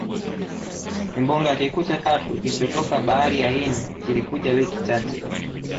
Kimbunga kikuu cha tatu kilichotoka Bahari ya Hindi kilikuja wiki chache